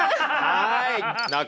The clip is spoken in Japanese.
はい。